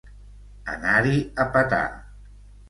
Anar-hi a petar.